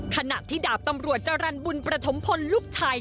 ขณะที่ดาบตำรวจจรรย์บุญประถมพลลูกชาย